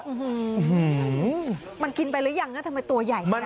อื้อฮือมันกินไปหรือยังทำไมตัวใหญ่แบบนั้น